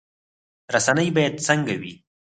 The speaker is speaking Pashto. رسنۍ باید څنګه وي؟